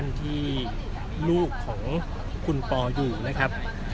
ไม่ใช่นี่คือบ้านของคนที่เคยดื่มอยู่หรือเปล่า